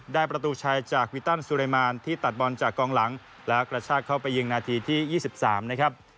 ประตูชัยจากวิตันสุเรมานที่ตัดบอลจากกองหลังแล้วกระชากเข้าไปยิงนาทีที่๒๓นะครับ